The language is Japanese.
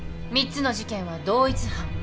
３つの事件は同一犯。